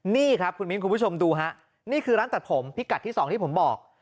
นี่ครับคุณมิ้นคุณผู้ชมดูฮะนี่คือร้านตัดผมพิกัดที่สองที่ผมบอก